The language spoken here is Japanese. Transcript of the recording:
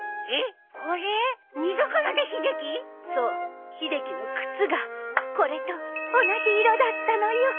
そう秀樹の靴がこれと同じ色だったのよ。